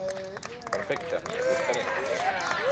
Perfecte, m'hi acostaré doncs.